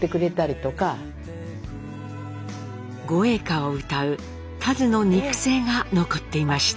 御詠歌をうたうたづの肉声が残っていました。